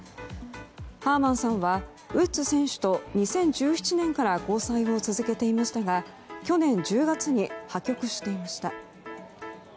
ハーマンさんはウッズ選手と２０１７年から交際を続けていましたが去年１０月に破局していました。